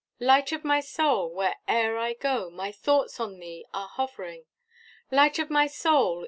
Light of my soul! where'er I go, My thoughts on thee are hov'ring; Light of my soul!